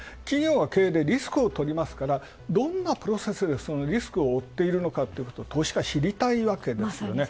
企業は経営でリスクをとりますからどんなプロセスでリスクをおっているのか、投資家知りたいわけです。